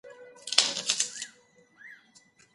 ایا بڼوال په اوږه باندي ګڼ توکي راوړل؟